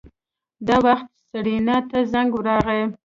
دا وخت سېرېنا ته زنګ راغی.